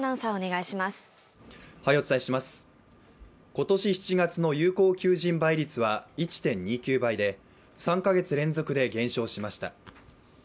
今年７月の有効求人倍率は１．２９倍で３か月連続で減少しました。